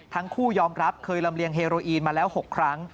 ทั้งคู่ยอมรับเคยลำเลียงเฮโรอีนมาแล้ว๖ครั้ง